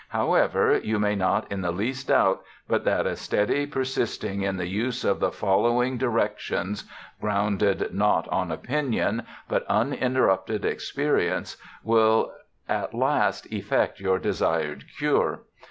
However, you may not in the least doubt but that a steddy persisting in the use of the following direc JOHN LOCKE 77 tions (grounded not on opinion but uninterrupted ex perience) will at last effect your desired cure.